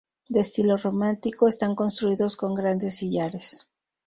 De estilo románico, están construidos con grandes sillares.